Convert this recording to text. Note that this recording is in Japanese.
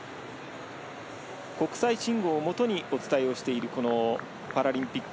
国際信号をもとにお伝えをしているパラリンピック